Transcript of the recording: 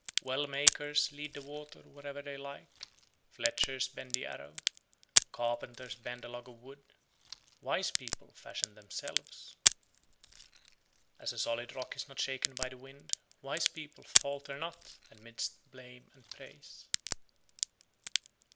80. Well makers lead the water (wherever they like); fletchers bend the arrow; carpenters bend a log of wood; wise people fashion themselves. 81. As a solid rock is not shaken by the wind, wise people falter not amidst blame and praise.